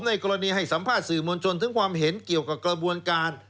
ในกรณีให้สัมภาษณ์สื่อมวลชนถึงความเห็นเกี่ยวกับกระบวนการ